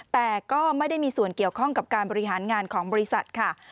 แต่ก็ไม่ได้มีส่วนเกี่ยวข้องกับการบริหารงานของบริษัทค่ะ